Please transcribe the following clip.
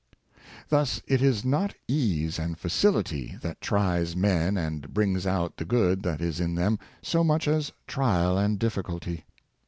Thus, it is not ease and facility that tries men and brings out the good that is in them, so much as trial and difficulty.